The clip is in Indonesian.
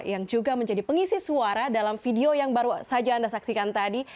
yang juga menjadi pengisi suara dalam video yang baru saja anda saksikan tadi